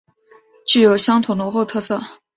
具有乡土浓厚特色